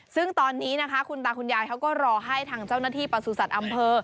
ซึ่งตอนนี้นะคะคุณตาคุณยายเขาก็รอให้ทางเจ้าหน้าที่ประสุทธิ์อำเภอ